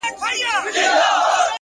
خپل وخت د خپلو ارزښتونو لپاره وکاروئ